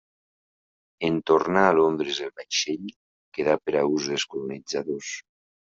En tornar a Londres el vaixell quedà per a ús dels colonitzadors.